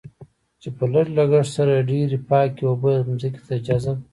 چې په لږ لګښت سره ډېرې پاکې اوبه ځمکې ته جذب.